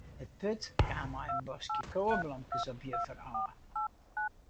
It pjut kaam mei in boskje koweblomkes op juffer ôf.